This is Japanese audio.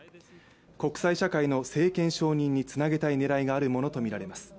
国際社会の政権承認につなげたいねらいがあるものとみられます。